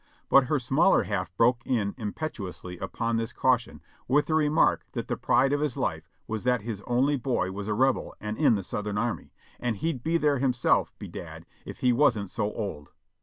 But her smaller half broke in impetuously upon this caution with the remark that the pride of his life was that his only boy was a Rebel and in the Southern Army, and he'd be there himself, bedad, if he wasn't so old.